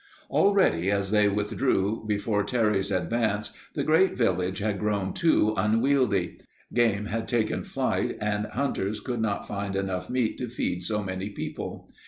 Already as they withdrew before Terry's advance the great village had grown too unwieldy. Game had taken flight, and hunters could not find enough meat to feed so many people.